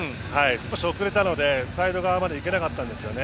少し遅れたのでサイド側まで行けなかったんですよね。